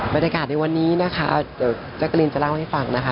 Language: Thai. บรรยากาศในวันนี้นะคะเดี๋ยวแจ๊กกะลินจะเล่าให้ฟังนะคะ